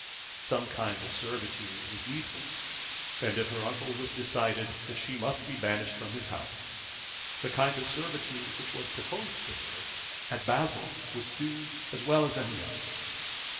Some kind of servitude was needful, and if her uncle was decided that she must be banished from his house, the kind of servitude which was proposed to her at Basle would do as well as another.